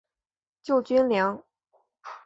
救军粮